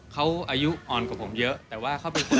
เขาอายุอ่อนกว่าผมเยอะแต่ว่าเขาเป็นคน